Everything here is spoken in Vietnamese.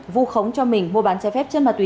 vu khống cho mình mua bán trái phép chân ma túy